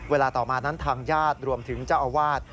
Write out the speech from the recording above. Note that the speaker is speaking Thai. เวลาต่อมานั้นทางญาติรวมถึงเจ้าอาวาส